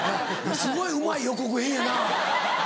すごいうまい予告編やな。